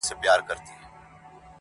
ته چي هري خواته ځې ځه پر هغه ځه.!